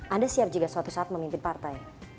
anda siap juga suatu saat memimpin partai